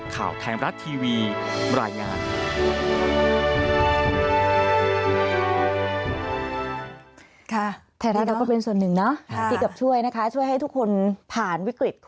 ข่าวไทยมรัฐทีวีรายงาน